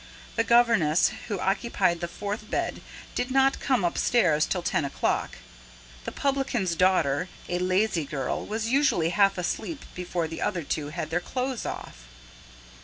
The governess who occupied the fourth bed did not come upstairs till ten o'clock; the publican's daughter, a lazy girl, was usually half asleep before the other two had their clothes off.